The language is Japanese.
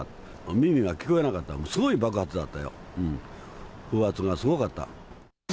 耳が聞こえなかった、すごい爆発だったよ、風圧がすごかった。